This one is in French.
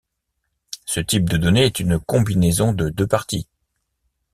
Ce type de données est une combinaison de deux parties.